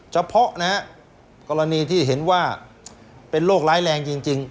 เฉพาะนะฮะกรณีที่เห็นว่าเป็นโรคร้ายแรงจริง